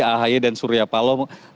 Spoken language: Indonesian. ahy dan surya palom